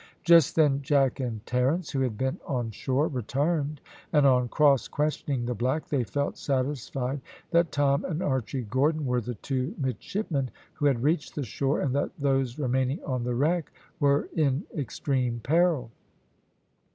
Just then Jack and Terence, who had been on shore, returned, and, on cross questioning the black, they felt satisfied that Tom and Archy Gordon were the two midshipmen who had reached the shore, and that those remaining on the wreck were in extreme peril.